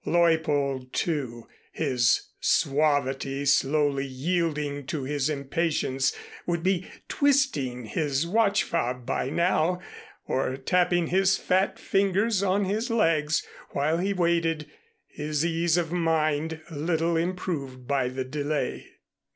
Leuppold, too, his suavity slowly yielding to his impatience, would be twisting his watch fob by now or tapping his fat fingers on his legs, while he waited, his ease of mind little improved by the delay.